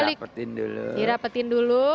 itu dirapetin dulu